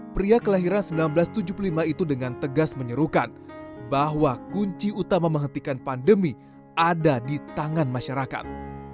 pria kelahiran seribu sembilan ratus tujuh puluh lima itu dengan tegas menyerukan bahwa kunci utama menghentikan pandemi ada di tangan masyarakat